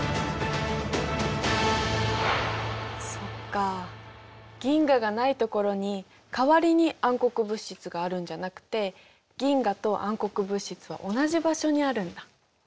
そっか銀河がないところに代わりに暗黒物質があるんじゃなくて銀河と暗黒物質は同じ場所にあるんだ。